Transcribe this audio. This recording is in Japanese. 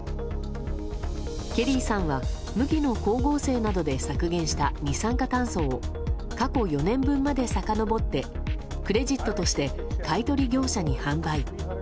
ケリーさんは麦の光合成などで削減した二酸化炭素を過去４年分までさかのぼってクレジットとして買い取り業者に販売。